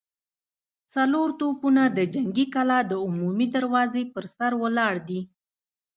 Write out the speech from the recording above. څلور توپونه د جنګي کلا د عمومي دروازې پر سر ولاړ دي.